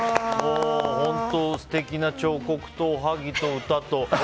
本当素敵な彫刻とおはぎと歌と。